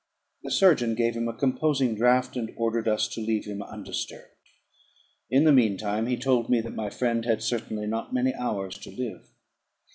The surgeon gave him a composing draught, and ordered us to leave him undisturbed. In the mean time he told me, that my friend had certainly not many hours to live.